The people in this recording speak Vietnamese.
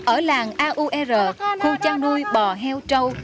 ở làng aur khu trang nuôi bò heo trâu